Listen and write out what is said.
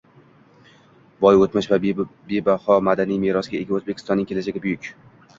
Boy o‘tmish va bebaho madaniy merosga ega O‘zbekistonning kelajagi buyuk